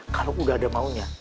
kalau udah ada maunya